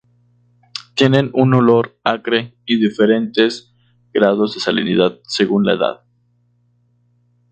Tiene un olor acre y diferentes grados de salinidad, según la edad.